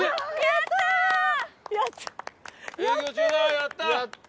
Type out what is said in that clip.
やった！